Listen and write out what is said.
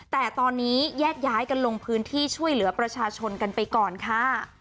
แต่ตอนนี้แยกย้ายกันลงพื้นที่ช่วยเหลือประชาชนกันไปก่อนค่ะ